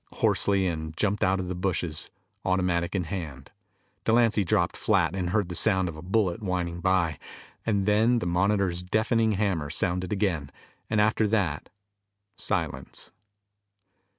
hoarsely and jumped out of the bushes, automatic in hand. Delancy dropped flat and heard the sound of a bullet whining by. And then the Monitor's deafening hammer sounded again, and after that, silence.